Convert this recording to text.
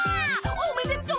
おめでとう。